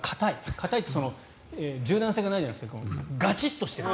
硬いって柔軟性がないじゃなくてガチッとしている。